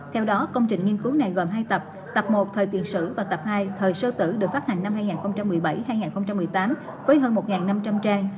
theo đó công trình nghiên cứu này gồm hai tập tập một thời tiền sử và tập hai thời sơ tử được phát hành năm hai nghìn một mươi bảy hai nghìn một mươi tám với hơn một năm trăm linh trang